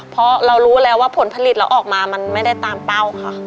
เพราะเรารู้แล้วว่าผลผลิตเราออกมามันไม่ได้ตามเป้าค่ะ